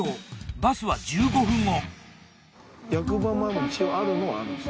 バスは１５分後。